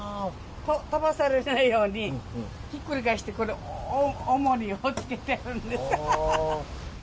飛ばされないようにひっくり返して重りをつけてるんです。